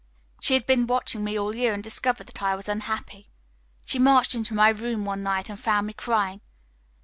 She had been watching me all year and discovered that I was unhappy. She marched into my room one night and found me crying.